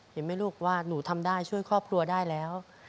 เห็นไหมลูกว่าหนูทำได้ช่วยครอบครัวได้แล้ว